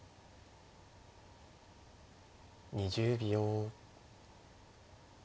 ２０秒。